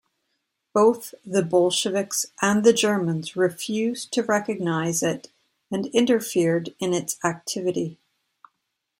Both the Bolsheviks and Germans refused to recognize it and interfered in its activity.